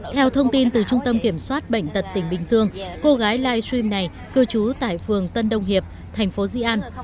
theo thông tin từ trung tâm kiểm soát bệnh tật tỉnh bình dương cô gái livestream này cư trú tại phường tân đông hiệp thành phố di an